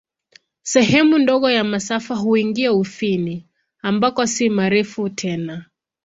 Sehemu ndogo ya masafa huingia Ufini, ambako si marefu tena.